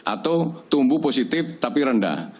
atau tumbuh positif tapi rendah